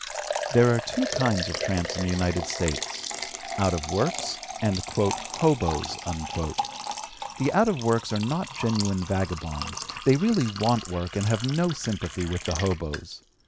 There are two kinds of tramps in the United States: out of works and "hoboes." The out of works are not genuine vagabonds; they really want work and have no sympathy with the hoboes.